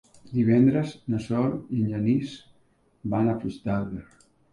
Divendres na Sol i en Genís van a Puigdàlber.